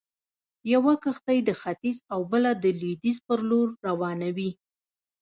يوه کښتۍ د ختيځ او بله د لويديځ پر لور روانوي.